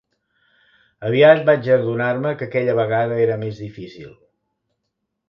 Aviat vaig adonar-me que aquella vegada era més difícil.